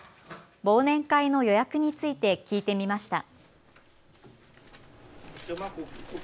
忘年会の予約について聞いてみました。